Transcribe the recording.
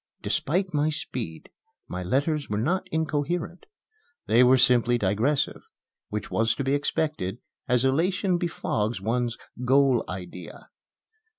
Despite my speed my letters were not incoherent. They were simply digressive, which was to be expected, as elation befogs one's "goal idea."